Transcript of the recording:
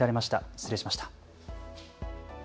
失礼しました。